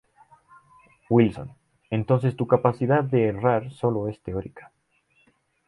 Wilson:-Entonces tu capacidad de errar solo es teórica.